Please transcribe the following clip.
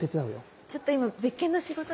ちょっと今別件の仕事があって。